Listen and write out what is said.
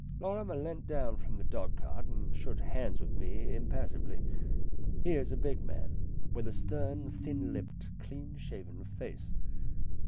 Lorrimer leant down from the dog cart and shook hands with me impassively. He is a big man, with a stern, thin lipped, clean shaven face.